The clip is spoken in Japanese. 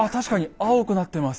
青くなってます。